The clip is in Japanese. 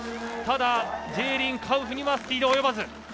ただ、ジェーリン・カウフにはスピード及ばず。